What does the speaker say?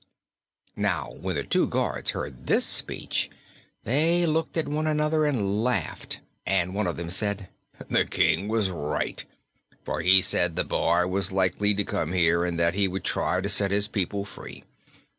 Now when the two guards heard this speech they looked at one another and laughed, and one of them said: "The King was right, for he said the boy was likely to come here and that he would try to set his people free.